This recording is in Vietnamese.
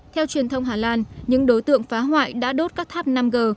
theo truyền thông hà lan những đối tượng phá hoại đã đốt các tháp năm g